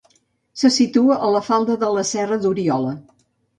Se situa a la falda de la serra d'Oriola.